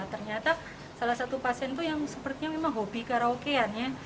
ternyata salah satu pasien itu yang sepertinya memang hobi karaokean ya